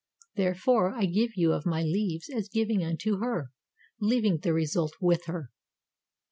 Therefore, I give you of my leaves as giving unto her, leaving the result with her."